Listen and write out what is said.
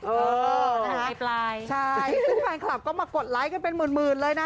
เออถามไว้ปลายใช่ซึ่งแฟนคลับก็มากดไลก์กันเป็นหมื่นเลยนะ